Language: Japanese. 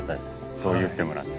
そう言ってもらって。